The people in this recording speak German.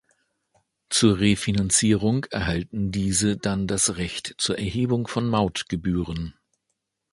Zur Refinanzierung erhalten diese dann das Recht zur Erhebung von Mautgebühren.